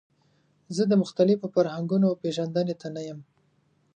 زه د مختلفو فرهنګونو پیژندنې ته نه یم.